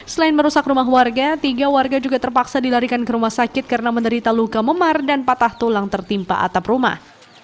selain merusak rumah warga tiga warga juga terpaksa dilarikan ke rumah sakit karena menderita luka memar dan patah tulang tertimpa atap rumah